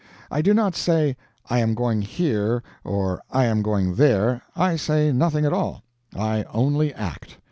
I do not say, "I am going here, or I am going there" I say nothing at all, I only act.